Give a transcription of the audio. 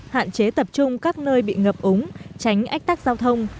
hạn chế tập trung các nơi bị ngập úng tránh ách tắc giao thông